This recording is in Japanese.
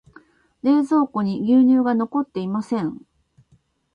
冷蔵庫に牛乳が残っていません。